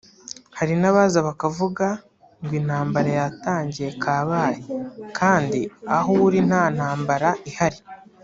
Hari n’abaza bakavuga ngo intambara yatangiye kabaye kandi aho uri nta ntambara ihari